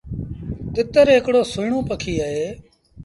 تتر هڪڙو سُهيٚڻون پکي اهي۔